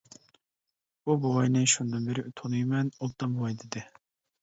بۇ بوۋاينى شۇندىن بىرى تونۇيمەن، ئوبدان بوۋاي دېدى.